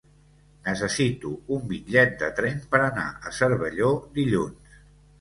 Necessito un bitllet de tren per anar a Cervelló dilluns.